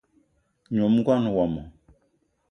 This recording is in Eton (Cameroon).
Nyom ngón wmo